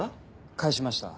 帰しました。